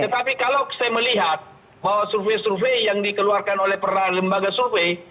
tetapi kalau saya melihat bahwa survei survei yang dikeluarkan oleh peran lembaga survei